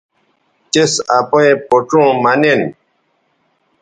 تِس اپئیں پوڇوں مہ نن